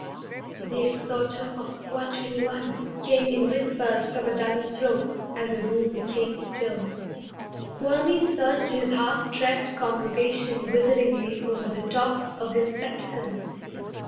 'St! The Exhorter of Squad 21!' came in whispers from a dozen throats; and the room became still. Squirmy searched his half dressed congregation witheringly over the tops of his spectacles.